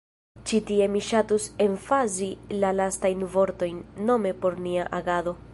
Ĉi tie mi ŝatus emfazi la lastajn vortojn, nome “por nia agado”.